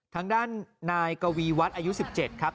ทางด้านนายกวีวัฒน์อายุ๑๗ครับ